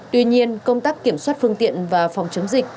tuy nhiên công tác kiểm soát phương tiện và phòng chống dịch